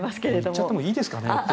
行っちゃってもいいですかね。